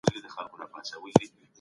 خاوند او ښځه د یو بل لباس دي.